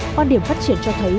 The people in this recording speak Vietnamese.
quan điểm phát triển cho thấy